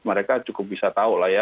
mereka cukup bisa tahu lah ya